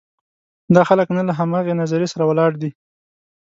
دا خلک نه له همغه نظریې سره ولاړ دي.